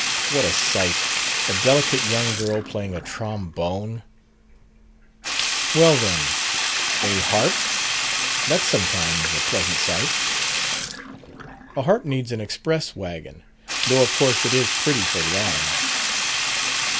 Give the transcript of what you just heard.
"What a sight! a delicate young girl playing a trombone!" "Well, then, a harp. That's sometimes a pleasant sight." "A harp needs an express wagon. Though of course it is pretty for the arms."